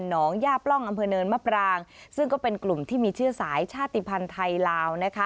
งย่าปล่องอำเภอเนินมะปรางซึ่งก็เป็นกลุ่มที่มีชื่อสายชาติภัณฑ์ไทยลาวนะคะ